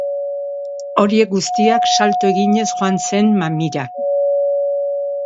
Horiek guztiak salto eginez joan zen mamira.